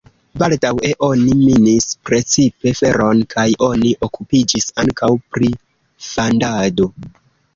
Baldaŭe oni minis precipe feron kaj oni okupiĝis ankaŭ pri fandado.